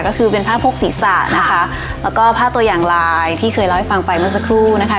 ก็คือเป็นผ้าพกศีรษะนะคะแล้วก็ผ้าตัวอย่างลายที่เคยเล่าให้ฟังไปเมื่อสักครู่นะคะ